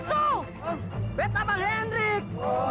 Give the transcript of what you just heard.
oh bang hendrik